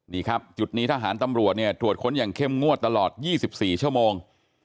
นี่ครับจุดนี้ทหารตำรวจเนี่ยตรวจค้นอย่างเข้มงวดตลอด๒๔ชั่วโมง